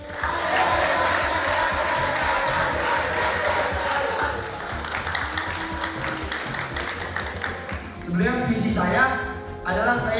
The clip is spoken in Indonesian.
kampanye masing masing kandidat diisi visi dan misi apabila mereka terpilih